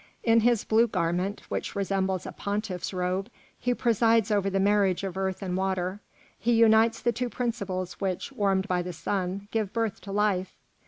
In his blue garment, which resembles a pontiff's robe, he presides over the marriage of earth and water, he unites the two principles which, warmed by the sun, give birth to life.